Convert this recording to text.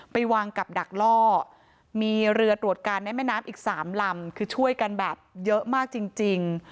ไปวางกับดักล่อมีเรือตรวจการในแม่น้ำอีก๓ลำคือช่วยกันแบบเยอะมากจริง